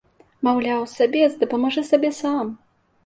Маўляў, сабес, дапамажы сабе сам!